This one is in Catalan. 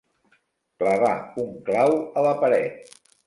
Clavar un clau a la paret.